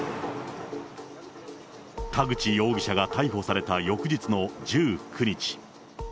田口容疑者が逮捕された翌日の１９日。